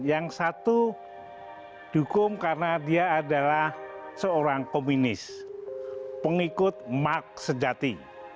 yang satu dukung karena dia adalah seorang komunis pengikut mark sejati